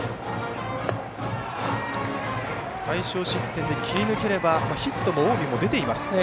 最少失点で切り抜ければヒットは近江も出ています。